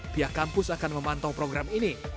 pihak kampus akan memantau program ini